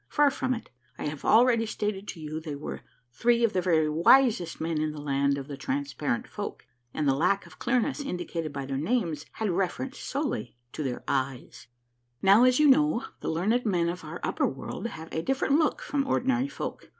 Far from it : I have already stated to you they were three of the very wisest men in the Land of the Transparent Folk, and the lack of clear ness indicated by their names had reference solely to their eyes. 62 A MARVELLOUS UNDERGROUND JOURNEY Now, as you know, the learned men of our upper world have a different look from ordinary folk.